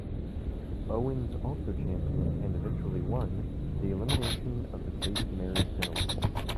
Owens also championed, and eventually won, the elimination of the state's marriage penalty.